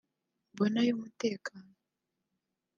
mbone ay’umutekano